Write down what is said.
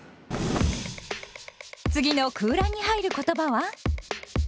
次の空欄に入る言葉は？